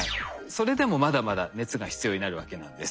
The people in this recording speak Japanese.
それでもまだまだ熱が必要になるわけなんです。